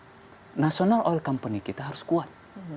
karena nasional oil company kita harus kuat